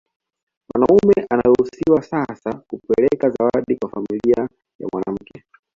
Mwanaume anaruhusiwa sasa kupeleka zawadi kwa familia ya mwanamke